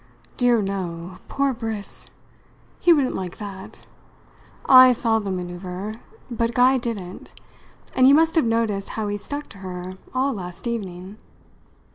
"Dear no poor Briss! He wouldn't like that. I saw the manoeuvre, but Guy didn't. And you must have noticed how he stuck to her all last evening."